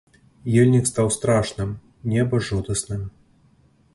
Ельнік стаў страшным, неба жудасным.